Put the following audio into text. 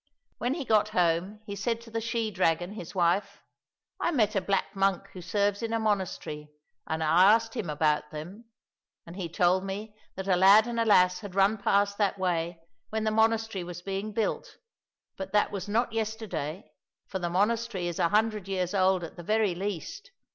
When he got home, he said to the she dragon, his wife, " I met a black monk who serves in a monastery, and I asked him about them, and he told me that a lad and a lass had run past that way when the monastery was being built, but that was not yesterday, for the monastery is a hundred years old at the very least."